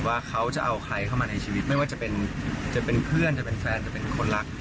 ว่าเขาจะเอาใครเข้ามาในชีวิตไม่ว่าจะเป็นเพื่อนจะเป็นแฟนจะเป็นคนรัก